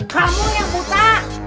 kamu yang buta